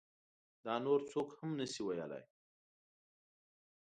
دا نور څوک هم نشي ویلی.